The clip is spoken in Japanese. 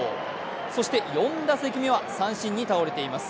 そして４打席目は三振に倒れています。